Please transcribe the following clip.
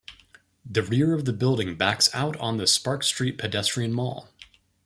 The rear of the building backs out on the Sparks Street pedestrian mall.